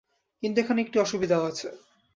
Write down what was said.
কিন্তু এখানে একটি অসুবিধাও আছে।